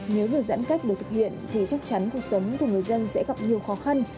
nếu được giãn cách được thực hiện thì chắc chắn cuộc sống của người dân sẽ gặp nhiều khó khăn